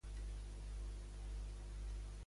Des de quan té aquesta condecoració Billy el Niño?